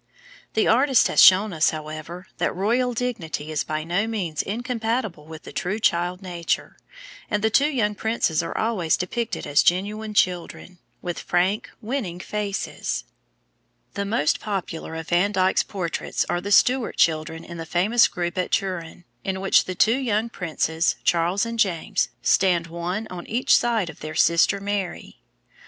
The artist has shown us, however, that royal dignity is by no means incompatible with the true child nature, and the two young princes are always depicted as genuine children, with frank, winning faces. [Illustration: HEAD OF JAMES, DUKE OF YORK. VAN DYCK.] The most popular of Van Dyck's portraits of the Stuart children is the famous group at Turin, in which the two young princes, Charles and James, stand one on each side of their sister Mary.